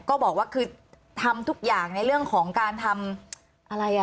ก็บอกว่าคือทำทุกอย่างในเรื่องของการทำอะไรอ่ะ